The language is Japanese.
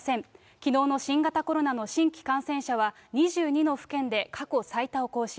きのうの新型コロナの新規感染者は、２２の府県で過去最多を更新。